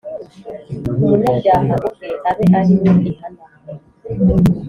Umunyabyaha ubwe abe ari we ihana.